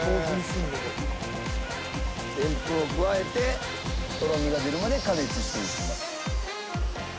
でんぷんを加えてとろみが出るまで加熱していきます。